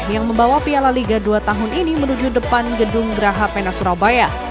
yang membawa piala liga dua tahun ini menuju depan gedung geraha pena surabaya